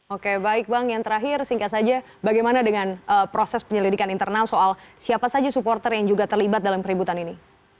oke baik bang yang terakhir singkat saja bagaimana dengan proses penyelidikan internal soal siapa saja supporter yang juga terlibat dalam peributan ini